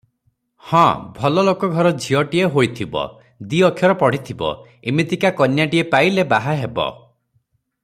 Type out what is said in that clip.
ହଁ, ଭଲଲୋକ ଘର ଝିଅଟିଏ ହୋଇଥିବ, ଦି ଅକ୍ଷର ପଢିଥିବ, ଇମିତିକା କନ୍ୟାଟିଏ ପାଇଲେ ବାହା ହେବ ।"